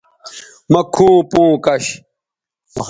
مہ کھوں پوں کش